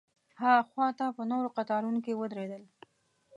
ها خوا ته په نورو قطارونو کې ودرېدل.